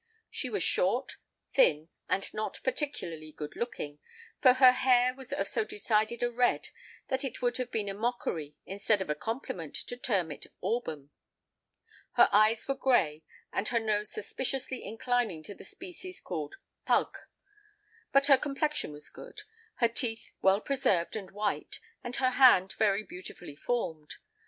She was short, thin, and not particularly good looking; for her hair was of so decided a red that it would have been a mockery instead of a compliment to term it auburn: her eyes were grey, and her nose suspiciously inclining to the species called "pug:"—but her complexion was good, her teeth well preserved and white, and her hand very beautifully formed.